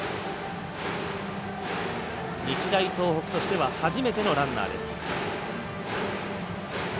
日大東北としては初めてのランナーです。